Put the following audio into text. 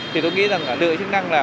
thì tôi nghĩ lượng chức năng là